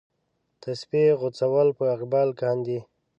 تسپې غوڅول په اقبال کاندي.